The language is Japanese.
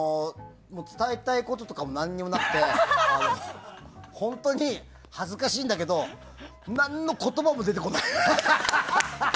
伝えたいこととかも何もなくて本当に、恥ずかしいんだけど何の言葉も出てこない。